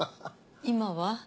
今は？